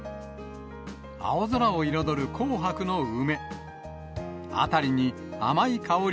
青空を彩る紅白の梅。